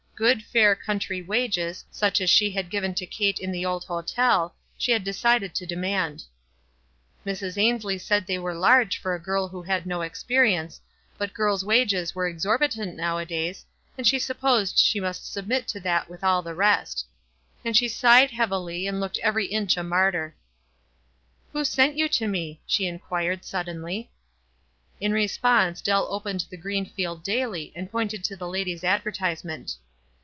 Good, fair country wages, such as she had given to Kate in the old hotel, she had decided to demand. Mrs. WISE AND OTHERWISE. 301 Ainslie said they were large for a girl who had had no experience ; but girls' wages were exor bitant nowadays, and she supposed she must submit to that with all the rest ; and she sighed heavily, and looked every inch a martyr. "Who sent you to me?" she inquired, sud denly. In response Dell opened the Greenfield daily and pointed to the lady's advertisement.